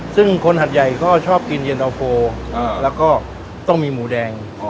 ซึ่งคนหัดใหญ่ก็ชอบกินเย็นตะโฟแล้วก็ต้องมีหมูแดง